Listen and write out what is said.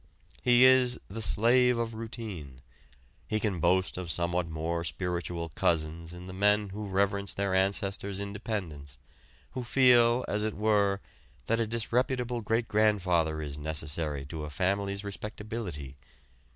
He is the slave of routine. He can boast of somewhat more spiritual cousins in the men who reverence their ancestors' independence, who feel, as it were, that a disreputable great grandfather is necessary to a family's respectability.